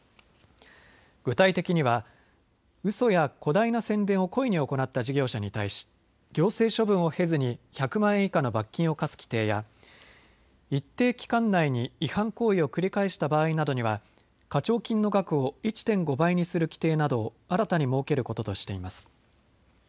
具体的にはうそや誇大な宣伝を故意に行った事業者に対し行政処分を経ずに１００万円以下の罰金を科す規定や一定期間内に違反行為を繰り返した場合などには課徴金の額を１．５倍にする規定などを新たに設けることとしています。